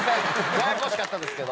ややこしかったですけど。